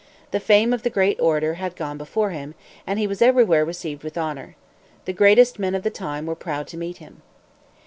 The fame of the great orator had gone before him, and he was everywhere received with honor. The greatest men of the time were proud to meet him.